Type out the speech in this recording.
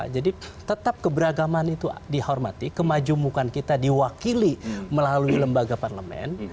jadi tetap keberagaman itu dihormati kemajumukan kita diwakili melalui lembaga parlemen